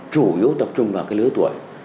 chủ yếu tập trung vào lứa tuổi